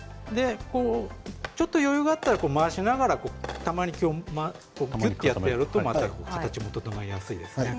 ちょっと余裕があったら回しながら、玉をぎゅっとやってやると形が整いやすいですね。